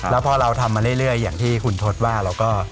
แล้วพอเราทำมาเรื่อยอย่างที่คุณทศว่าเราก็